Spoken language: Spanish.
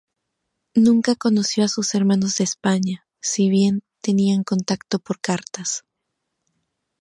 Nunca conoció a sus hermanos de España, si bien tenían contacto por cartas.